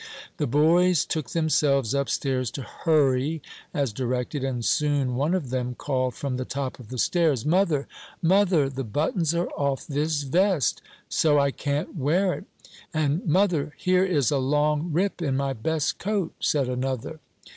The boys took themselves up stairs to "hurry," as directed, and soon one of them called from the top of the stairs, "Mother! mother! the buttons are off this vest; so I can't wear it!" and "Mother! here is a long rip in my best coat!" said another.